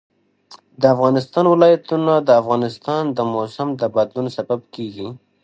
د افغانستان ولايتونه د افغانستان د موسم د بدلون سبب کېږي.